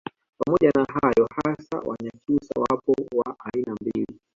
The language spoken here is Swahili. Pamoja na hayo hasa Wanyakyusa wapo wa aina mbili